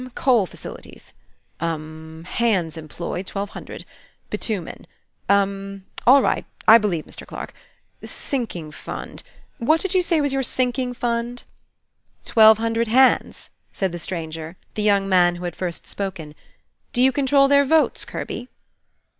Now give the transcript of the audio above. coal facilities, um! hands employed, twelve hundred, bitumen, um! all right, I believe, Mr. Clarke; sinking fund, what did you say was your sinking fund?" "Twelve hundred hands?" said the stranger, the young man who had first spoken. "Do you control their votes, Kirby?"